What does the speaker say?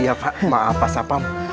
iya pak maaf pak sapam